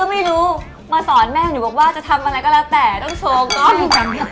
ไม่รู้มาสอนแม่ของหนูบอกว่าจะทำอะไรก็แล้วแต่ต้องโชว์ก่อน